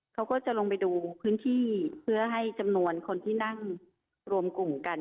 เขาก็จะลงไปดูพื้นที่เพื่อให้จำนวนคนที่นั่งรวมกลุ่มกัน